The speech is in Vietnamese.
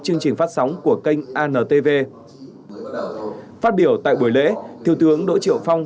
chương trình phát sóng của kênh antv phát biểu tại buổi lễ thiếu tướng đỗ triệu phong